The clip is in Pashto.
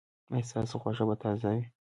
ایا ستاسو غوښه به تازه وي؟